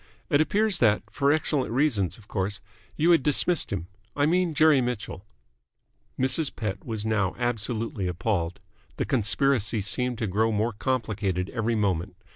It appears that for excellent reasons, of course you had dismissed him. I mean Jerry Mitchell." Mrs. Pett was now absolutely appalled. The conspiracy seemed to grow more complicated every moment.